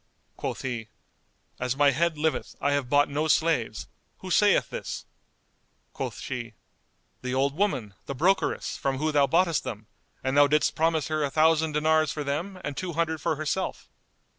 Quoth he, "As my head liveth, I have bought no slaves! Who saith this?" Quoth she, "The old woman, the brokeress, from whom thou boughtest them; and thou didst promise her a thousand dinars for them and two hundred for herself."